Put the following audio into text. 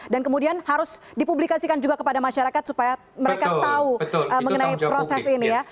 dan kemudian harus dipublikasikan juga kepada masyarakat supaya mereka tahu mengenai proses ini ya